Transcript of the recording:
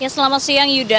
selamat siang yuda